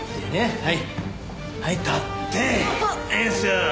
はい。